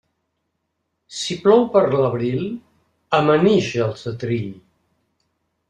Si plou per l'abril, amanix el setrill.